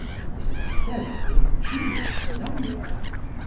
This is a very ingenious number.